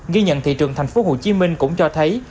ghi nhận thị trường tp hcm cũng cho thấy